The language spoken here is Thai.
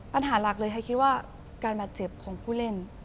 ปัญหาหลักเลยไฮคิดว่าการบาดเจ็บของผู้เล่น